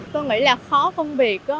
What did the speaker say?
tôi nghĩ là khó công việc